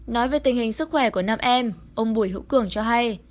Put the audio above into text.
nói về tình hình sức khỏe của nam em ông bùi hữu cường cho hay